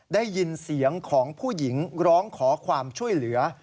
ได้ยินเสียงของผู้หญิงร้องขอความช่วยเหลือ